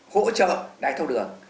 hỗ trợ đáy thao đường